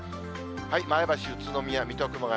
前橋、宇都宮、水戸、熊谷。